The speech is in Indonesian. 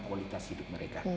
kualitas hidup mereka